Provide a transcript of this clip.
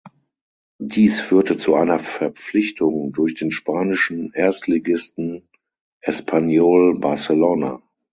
Dies führte zu einer Verpflichtung durch den spanischen Erstligisten Espanyol Barcelona.